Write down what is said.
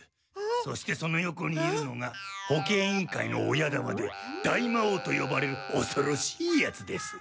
そしてその横にいるのが保健委員会の親玉で大魔王とよばれるおそろしいやつです。